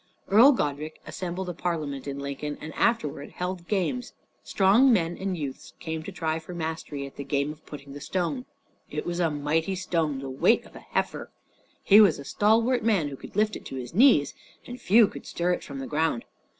Earl Godrich assembled a Parliament in Lincoln, and afterward held games. Strong men and youths came to try for mastery at the game of putting the stone. It was a mighty stone, the weight of an heifer. He was a stalwart man who could lift it to his knee, and few could stir it from the ground.